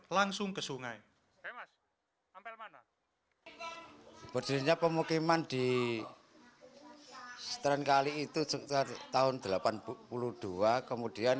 langsung ke sungai berdirinya pemukiman di setengah kali itu sekitar tahun delapan puluh dua kemudian